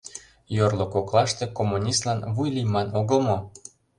Йорло коклаште коммунистлан вуй лийман огыл мо?